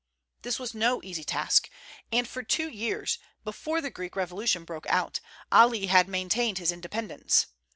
This was no easy task; and for two years, before the Greek revolution broke out, Ali had maintained his independence.